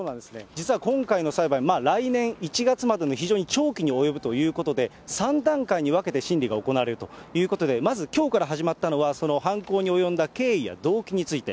実は今回の裁判、来年１月までの非常に長期に及ぶということで、３段階に分けて審理が行われるということで、まずきょうから始まったのは、犯行に及んだ経緯や動機について。